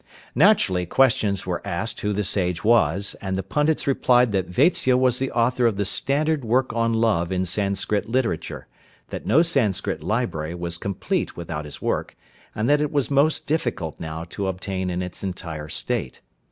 Naturally questions were asked who the sage was, and the pundits replied that Vatsya was the author of the standard work on love in Sanscrit literature, that no Sanscrit library was complete without his work, and that it was most difficult now to obtain in its entire state.